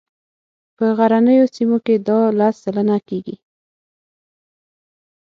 په غرنیو سیمو کې دا لس سلنه کیږي